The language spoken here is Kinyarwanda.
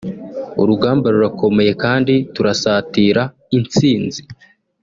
urugamba rurakomeye kandi turasatira intsinzi